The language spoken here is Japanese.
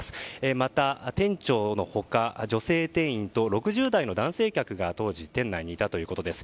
また、店長の他女性店員と６０代の男性客が当時、店内にいたということです。